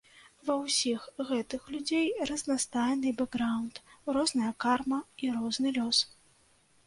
Ва ўсіх гэтых людзей разнастайны бэкграўнд, розная карма і розны лёс.